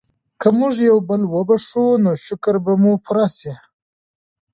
که موږ یو بل وبښو نو شکر به مو پوره سي.